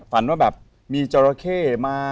ฝันว่าแบบมีจราเข้มา